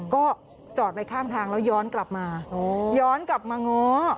ก็จอดไปข้างทางแล้วย้อนกลับมาย้อนกลับมาง้อ